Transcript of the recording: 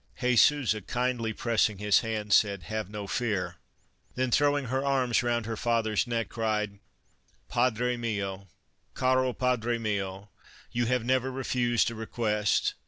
Jesusa, kindly pressing his hand, said :" Have no fear," then throwing her arms round her father's neck, cried : "Padre mio, caro padre mio, you have never refused a request.